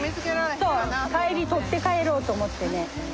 そう帰り取って帰ろうと思ってね。